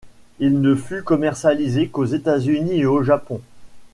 Il ne fut commercialisé qu'aux États-Unis et au Japon.